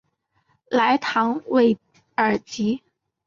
莱唐韦尔吉。